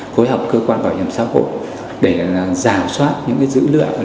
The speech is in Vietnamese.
phối hợp cơ quan bảo hiểm xã hội để giả soát những dữ liệu